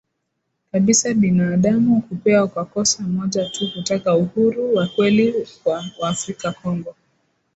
kabisa binaadamu kupewa kwa kosa moja tu kutaka uhuru wa kweli kwa Waafrika Kongo